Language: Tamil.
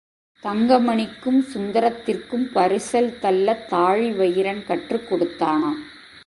தங்கமணிக்கும், சுந்தரத்திற்கும் பரிசல் தள்ளத் தாழிவயிறன் கற்றுக்கொடுத்தானாம்.